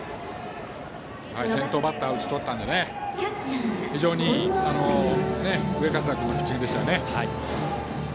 先頭バッターを打ち取ったので非常にいい上加世田君のピッチングでしたね。